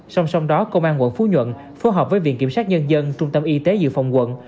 song song đó công an quận phú nhuận phối hợp với viện kiểm sát nhân dân trung tâm y tế dự phòng quận